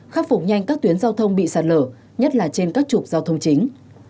khắc phục nhanh các tuyến giao thông bị sạt lở nhất là trên các trục giao thông chính